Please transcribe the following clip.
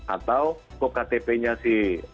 atau kok ktp nya si